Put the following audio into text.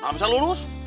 gak bisa lurus